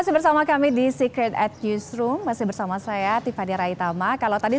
selamat malam bersama kami